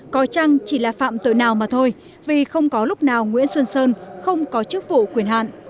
có chăng chỉ là phạm tội nào mà thôi vì không có lúc nào nguyễn xuân sơn không có chức vụ quyền hạn